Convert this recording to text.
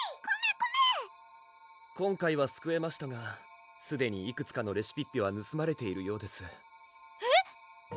コメコメ今回はすくえましたがすでにいくつかのレシピッピはぬすまれているようですえっ！